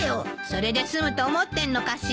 それで済むと思ってんのかしら。